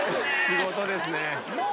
仕事ですね。